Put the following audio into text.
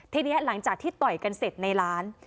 ทีนี้หลังจากที่ต่อยกันเสร็จในร้าน